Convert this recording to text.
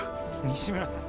西村さん。